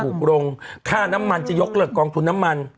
ถูกลงค่าน้ำมันจะยกเลิกกองทุนน้ำมัน